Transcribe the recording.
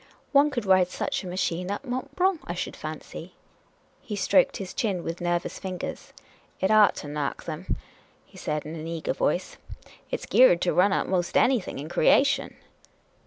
"One could ride such a machine up Mont Blanc, I should fancy." He stroked his chin with nervous fingers. " It ought to knock 'em," he said, in an eager voice. " It 's geared to run up most anything in creation."